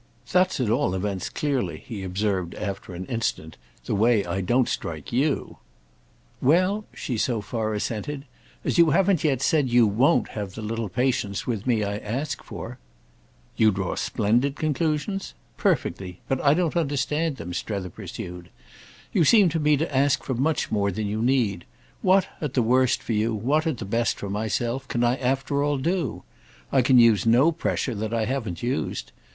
"That's at all events, clearly," he observed after an instant, "the way I don't strike you." "Well," she so far assented, "as you haven't yet said you won't have the little patience with me I ask for—" "You draw splendid conclusions? Perfectly. But I don't understand them," Strether pursued. "You seem to me to ask for much more than you need. What, at the worst for you, what at the best for myself, can I after all do? I can use no pressure that I haven't used.